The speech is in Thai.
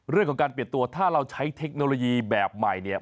เรื่องของการเปลี่ยนตัวถ้าเราใช้เทคโนโลยีแบบใหม่เนี่ย